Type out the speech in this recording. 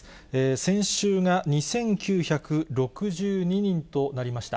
先週が２９６２人となりました。